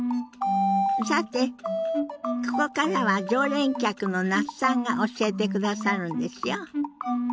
さてここからは常連客の那須さんが教えてくださるんですよ。